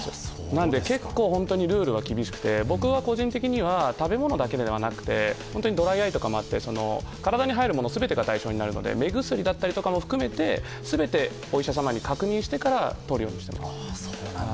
なので結構、ルールは厳しくて僕は個人的には食べ物だけではなくてドライアイとかもあって体に入るもの全てが対象になるので目薬だったとかも含めて全てお医者様に確認してからとるようにしています。